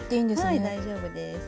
はい大丈夫です。